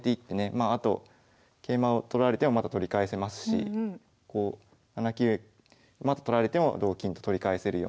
まああと桂馬を取られてはまた取り返せますし７九馬と取られても同金と取り返せるように。